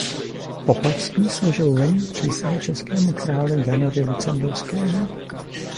Opavský složil lenní přísahu českému králi Janovi Lucemburskému.